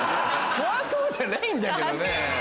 怖そうじゃないんだけどね。